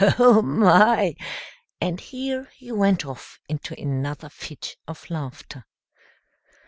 oh, my!" and here he went off into another fit of laughter.